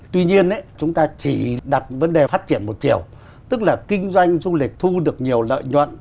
tuy nhiên chúng ta chỉ đặt vấn đề phát triển một chiều tức là kinh doanh du lịch thu được nhiều lợi nhuận